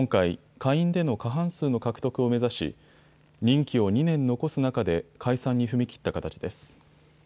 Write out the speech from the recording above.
下院での過半数の獲得を目指し任期を２年残す中で解散に踏み切った形です。